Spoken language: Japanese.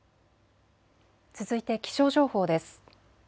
続いて気象情報です。